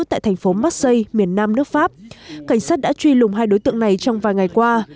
tại thành phố massais miền nam nước pháp cảnh sát đã truy lùng hai đối tượng này trong vài ngày qua